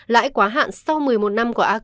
lãi quá hạn sau một mươi một năm của acv